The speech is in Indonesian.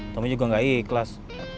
tommy juga gak ikhlas